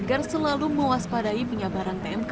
untuk mewaspadai penyebaran pmk